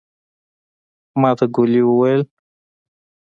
ماته ګولي وويلې.